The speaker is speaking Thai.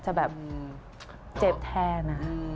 จะแบบเจ็บแทน